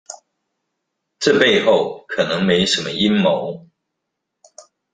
這背後可能沒什麼陰謀